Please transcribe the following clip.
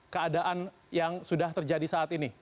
keadaan yang sudah terjadi saat ini